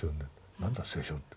何だ聖書って？